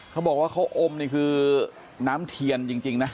เขาบอกว่าเขาอมนี่คือน้ำเทียนจริงนะ